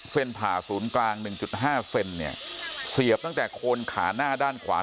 ผ่าศูนย์กลางหนึ่งจุดห้าเซนเนี่ยเสียบตั้งแต่โคนขาหน้าด้านขวา